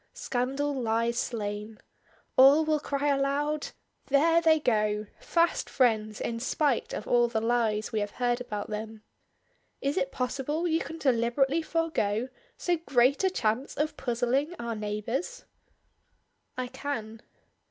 Scandal lies slain. All will cry aloud: 'There they go! Fast friends in spite of all the lies we have heard about them.' Is it possible you can deliberately forego so great a chance of puzzling our neighbors?" "I can."